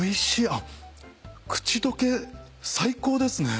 あっ口溶け最高ですね。